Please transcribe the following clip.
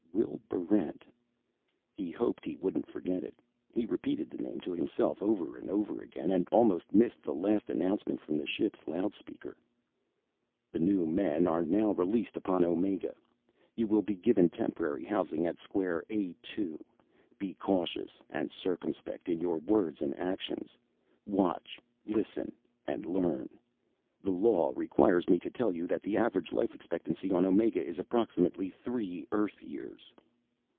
Will Barrent. He hoped he wouldn't forget it. He repeated the name to himself over and over again, and almost missed the last announcement from the ship's loudspeaker. "The new men are now released upon Omega. You will be given temporary housing at Square A 2. Be cautious and circumspect in your words and actions. Watch, listen, and learn. The law requires me to tell you that the average life expectancy on Omega is approximately three Earth years."